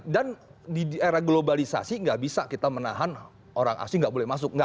dan di era globalisasi tidak bisa kita menahan orang asing tidak boleh masuk